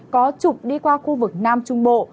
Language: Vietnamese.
có chục đi qua khu vực nam trung bộ